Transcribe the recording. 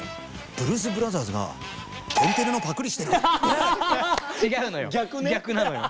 「ブルース・ブラザース」が「天てれ」のパクリしてる？